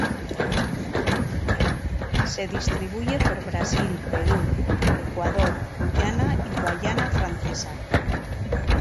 Se distribuye por Brasil, Perú, Ecuador, Guyana, y Guayana Francesa.